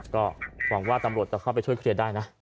ก็หวังว่าตำรวจจะเข้าไปช่วยเคลียร์ได้นะ